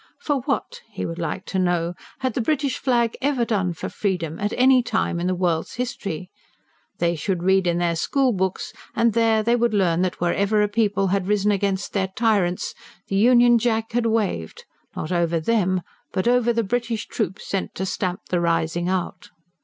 For what, he would like to know, had the British flag ever done for freedom, at any time in the world's history? They should read in their school books, and there they would learn that wherever a people had risen against their tyrants, the Union Jack had waved, not over them, but over the British troops sent to stamp the rising out.